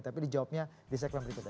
tapi dijawabnya di segmen berikutnya